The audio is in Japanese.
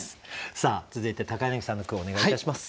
さあ続いて柳さんの句をお願いいたします。